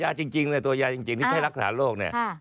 จริงเลยตัวยาจริงที่ใช้รักษาโรคเนี่ย